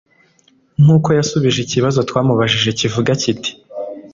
nk'uko yasubije ikibazo twamubajije kivuga kiti